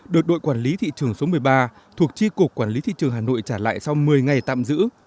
được đội quản lý thị trường số một mươi ba thuộc chi cục quản lý thị trường hà nội trả lại sau một mươi ngày tạm giữ